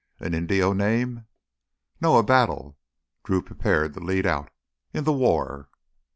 "An Indio name?" "No, a battle." Drew prepared to lead out. "In the war."